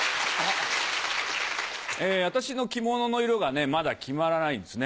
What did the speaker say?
私の着物の色がねまだ決まらないんですね。